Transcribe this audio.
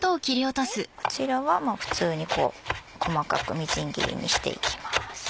こちらは普通に細かくみじん切りにしていきます。